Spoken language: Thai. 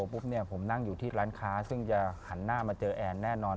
ผมนั่งอยู่ที่ร้านค้าซึ่งจะหันหน้ามาเจอแอร์นแน่นอน